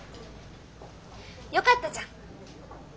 よかったじゃん。